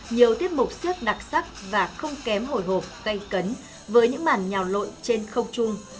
nhiều tiết mục siếc đặc sắc và không kém hồi hộp gây cấn với những màn nhào lội trên không chung